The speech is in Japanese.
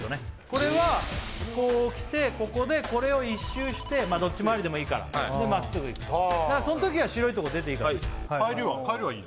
これはこう来てここでこれを１周してまあどっち回りでもいいからでまっすぐ行くその時は白いとこ出ていいから帰りは？